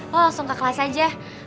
wah langsung ke kelas aja